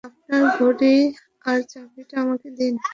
আপনার ঘড়ি আর চাবিটা আমাকে দিন।